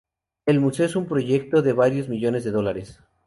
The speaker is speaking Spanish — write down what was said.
El museo es un proyecto de varios millones de dólares.